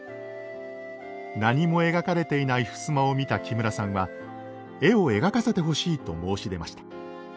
何も描かれていない襖を見た木村さんは絵を描かせてほしいと申し出ました。